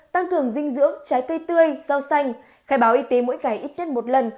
tăng cường dinh dưỡng trái cây tươi rau xanh khai báo y tế mỗi ngày ít nhất một lần